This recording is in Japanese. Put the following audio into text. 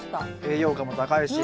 栄養価も高いし。